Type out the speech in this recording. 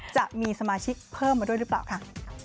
จะมีสมาชิกเพิ่มมาด้วยหรือเปล่าค่ะ